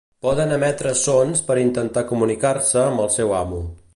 Poden emetre sons per intentar comunicar-se amb el seu amo.